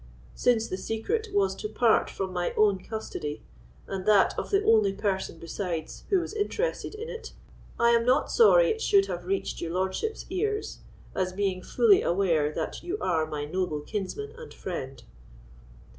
Since the secret was to part from my own custody, and that of the only person besides who was interested in it, I am not sorry it should have reached your lordship's ears, as being fully aware that you are my noble kinsman and friend."